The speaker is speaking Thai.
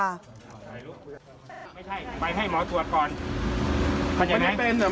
แม่ก็ให้โอกาสแม่ก็ไล่ออกไปจะไปเช่าห้องอยู่แล้วค่ะแม่